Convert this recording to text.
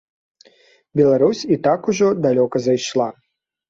Беларусь і так ужо далёка зайшла.